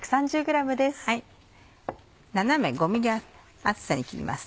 斜め５ｍｍ厚さに切ります。